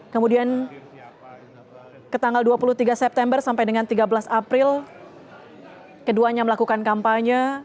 kemudian ke tanggal dua puluh tiga september sampai dengan tiga belas april keduanya melakukan kampanye